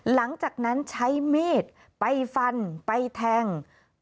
หลังจากนั้นใช้มีดไปฟันไปแทง